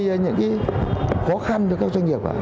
gây những cái khó khăn cho các doanh nghiệp